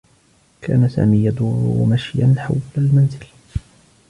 كان سامي يدور مشيا حول المنزل.